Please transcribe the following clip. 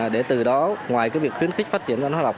để từ đó ngoài việc khuyến khích phát triển văn hóa học